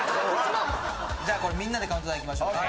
じゃあこれみんなでカウントダウンいきましょうね。